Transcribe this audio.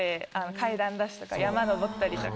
階段ダッシュとか山登ったりとか。